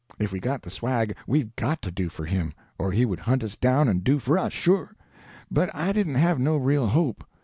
If we got the swag, we'd got to do for him, or he would hunt us down and do for us, sure. But I didn't have no real hope.